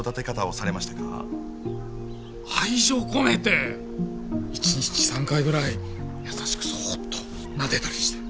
愛情込めて一日３回ぐらい優しくそっとなでたりして。